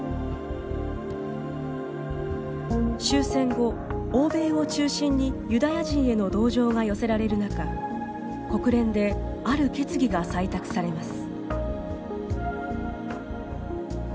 終戦後、欧米を中心にユダヤ人への同情が寄せられる中国連で、ある決議が採択されます。